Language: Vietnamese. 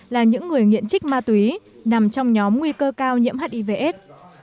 là những người nghiện trích ma túy nằm trong nhóm nguy cơ cao nhiễm hiv s